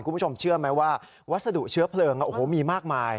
คุณผู้ชมเชื่อไหมว่าวัสดุเชื้อเพลิงโอ้โหมีมากมาย